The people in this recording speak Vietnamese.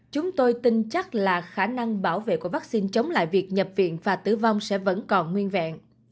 chắc là khả năng bảo vệ của vaccine chống lại việc nhập viện và tử vong sẽ vẫn còn nguyên vẹn